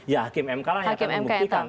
ya hakim mk lah yang akan membuktikan